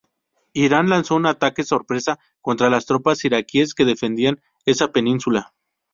Irán lanzó un ataque sorpresa contra las tropas iraquíes que defendían esa península.